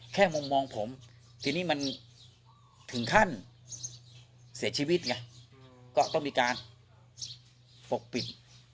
มุมมองผมทีนี้มันถึงขั้นเสียชีวิตไงก็ต้องมีการปกปิด